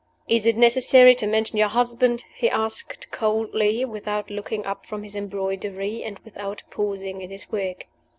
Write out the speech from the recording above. "Is it necessary to mention your husband?" he asked, coldly, without looking up from his embroidery, and without pausing in his work.